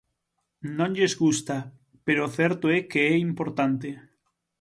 Non lles gusta, pero o certo é que é importante.